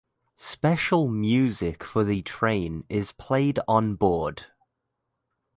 Special music for the train is played on board.